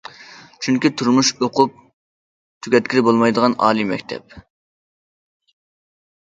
چۈنكى تۇرمۇش ئوقۇپ تۈگەتكىلى بولمايدىغان ئالىي مەكتەپ.